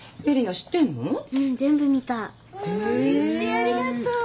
ありがとう。